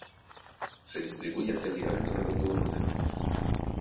Se distribuye hacia el ligamento redondo del útero.